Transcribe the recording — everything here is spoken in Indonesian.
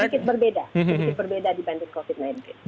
sedikit berbeda dibanding covid sembilan belas